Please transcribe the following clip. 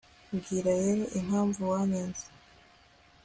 mbwira rero impamvu wanyanze